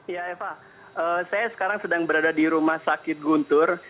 ya eva saya sekarang sedang berada di rumah sakit guntur